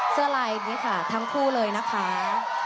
เสื้อลายนี้ค่ะทั้งคู่เลยนะคะ